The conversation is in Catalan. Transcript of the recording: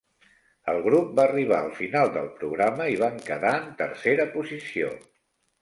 El grup va arribar al final del programa i van quedar en tercera posició.